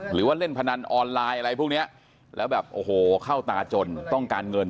หรือว่าเล่นพนันออนไลน์อะไรพวกนี้แล้วแบบโอ้โหเข้าตาจนต้องการเงิน